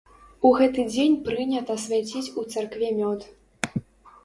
У гэты дзень прынята свяціць у царкве мёд.